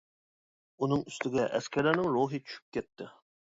ئۇنىڭ ئۈستىگە، ئەسكەرلەرنىڭ روھى چۈشۈپ كەتتى.